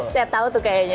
saya tahu tuh kayaknya